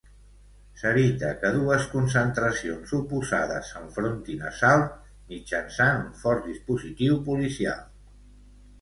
S'evita que dues concentracions oposades s'enfrontin a Salt mitjançant un fort dispositiu policial.